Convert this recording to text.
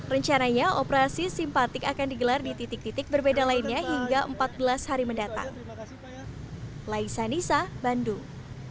rencananya operasi simpatik akan digelar di titik titik berbeda lainnya hingga empat belas hari mendatang